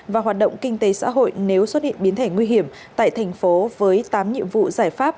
và hoạt động kinh tế xã hội nếu xuất hiện biến thể nguy hiểm tại thành phố với tám nhiệm vụ giải pháp